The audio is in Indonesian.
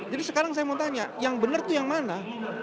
jadi sekarang saya mau tanya yang bener itu yang mana